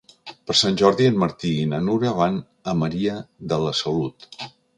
Per Sant Jordi en Martí i na Nura van a Maria de la Salut.